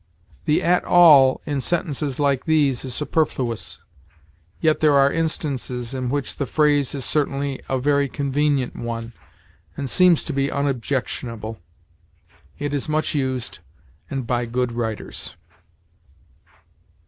The at all in sentences like these is superfluous. Yet there are instances in which the phrase is certainly a very convenient one, and seems to be unobjectionable. It is much used, and by good writers.